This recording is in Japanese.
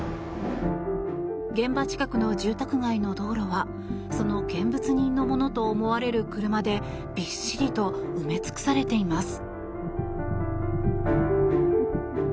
現場近くの住宅街の道路はその見物人のものと思われる車でびっしりと埋め尽くされています。